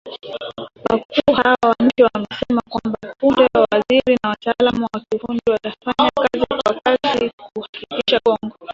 Wakuu hao wa nchi wamesema kwamba punde , mawaziri na wataalamu wa kiufundi watafanya kazi kwa kasi kuhakikisha Kongo